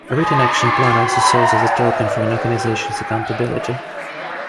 A written action plan also serves as a token for an organization's accountability.